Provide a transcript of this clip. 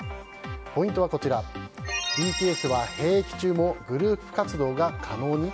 ポイントはこちらＢＴＳは兵役中もグループ活動が可能に？